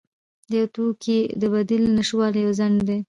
د یو توکي د بدیل نشتوالی یو خنډ دی.